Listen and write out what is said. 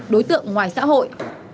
đối tượng ngoài xã hội